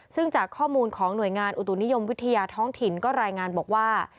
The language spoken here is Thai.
ซึ่งจากข้อมูลของหน่วยงานอุตุนิยมวิทยาท้องถิ่นก็รายงานบอกว่า